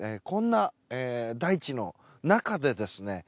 こんな大地の中でですね